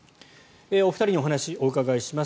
お二人にお話お伺いします。